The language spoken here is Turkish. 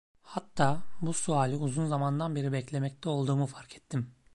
Hatta bu suali uzun zamandan beri beklemekte olduğumu fark ettim.